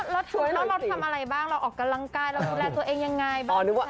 สวยแล้วเราทำอะไรบ้างเราออกกำลังกายเราดูแลตัวเองยังไงบ้าง